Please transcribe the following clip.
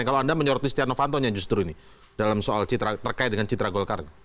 kalau anda menyoroti setia novanto yang justru ini dalam soal citra terkait dengan citra golkar